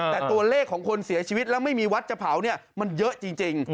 แต่ตัวเลขของคนเสียชีวิตและไม่มีวัดเจอเผาเยอะจริง